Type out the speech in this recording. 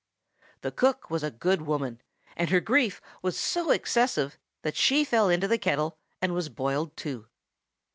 The cook was a good woman, and her grief was so excessive that she fell into the kettle and was boiled too.